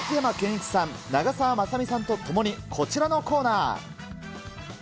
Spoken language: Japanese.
松山ケンイチさん、長澤まさみさんと共に、こちらのコーナー。